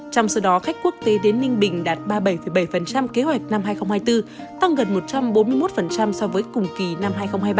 trong số đó khách quốc tế đến ninh bình đạt ba mươi bảy bảy kế hoạch năm hai nghìn hai mươi bốn tăng gần một trăm bốn mươi một so với cùng kỳ năm hai nghìn hai mươi ba